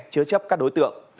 chứa chấp các đối tượng